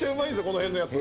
この辺のやつ。